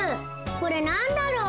これなんだろう？